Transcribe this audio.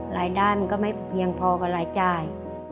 รายได้มันก็ไม่เพียงพอกับรายจ่าย